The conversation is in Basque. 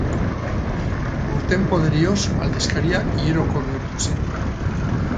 Urteen poderioz, aldizkaria hileroko bihurtu zen.